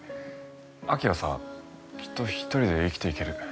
亜紀はさきっと一人で生きていける。